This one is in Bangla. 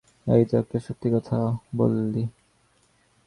এই তো একটা সত্যি কথা বললি।